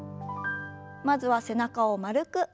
まずは背中を丸く。